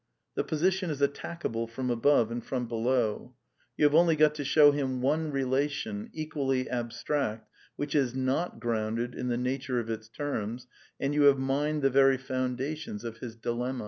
The position is attackable from above and from below. You have only got to show him one relation, equally ab j stract, which is not grounded in the nature of its termsJ and you have mined the very foundations of his dilemma!